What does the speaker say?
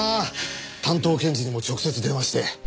担当検事にも直接電話して。